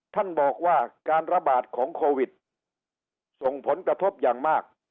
ท่านบอกว่าการระบาดของโควิดส่งผลกระทบอย่างมาก